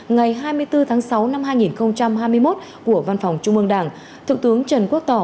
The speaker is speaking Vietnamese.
một trăm một mươi bảy ngày hai mươi bốn tháng sáu năm hai nghìn hai mươi một của văn phòng trung mương đảng thượng tướng trần quốc tỏ